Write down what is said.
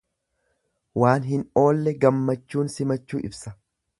Waan hin oolle gammachuun simachuu ibsa.